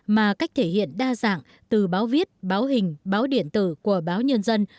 mà cách thể hiện đa dạng từ báo viết báo hình báo điện tử của báo nhân dân